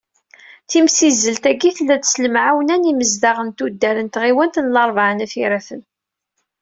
Timsizzelt-agi, tella-d s lemɛawna n yimezdaɣ n tuddar n tɣiwant n Larebɛa n At Yiraten.